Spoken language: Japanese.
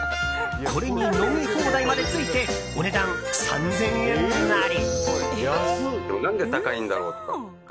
これに飲み放題までついてお値段３０００円なり。